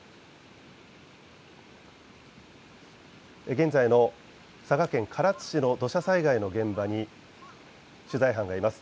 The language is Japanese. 現在の佐賀県唐津市の土砂災害の現場に取材班がいます。